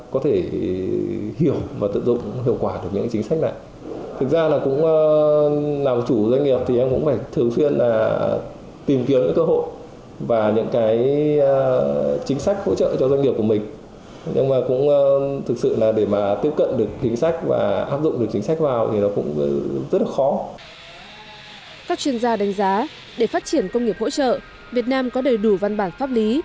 các chuyên gia đánh giá để phát triển công nghiệp hỗ trợ việt nam có đầy đủ văn bản pháp lý